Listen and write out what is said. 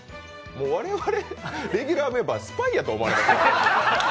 我々、レギュラーメンバー、スパイだと思われますよ。